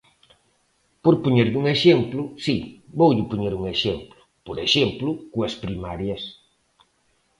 Por poñerlle un exemplo, si, voulle poñer un exemplo, por exemplo coas primarias.